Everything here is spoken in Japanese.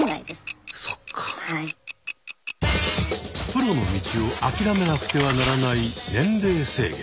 プロの道を諦めなくてはならない「年齢制限」。